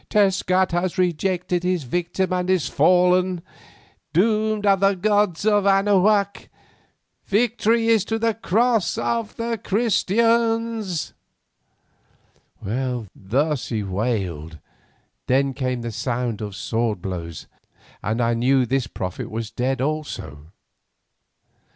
"Tezcat has rejected his victim and is fallen; doomed are the gods of Anahuac! Victory is to the Cross of the Christians!" Thus he wailed, then came the sound of sword blows and I knew that this prophet was dead also.